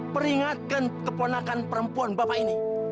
peringatkan keponakan perempuan bapaknya